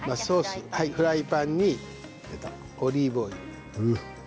フライパンにオリーブオイル。